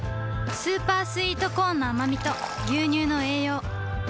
スーパースイートコーンのあまみと牛乳の栄養